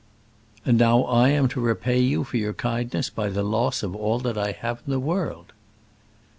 "And now I am to repay you for your kindness by the loss of all that I have in the world."